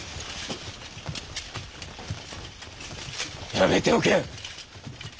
やめておけ！